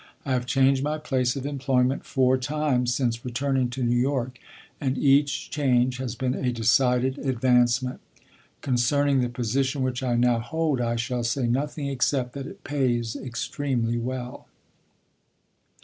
I have changed my place of employment four times since returning to New York, and each change has been a decided advancement. Concerning the position which I now hold I shall say nothing except that it pays extremely well.